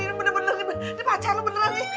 ini pacar lo beneran nih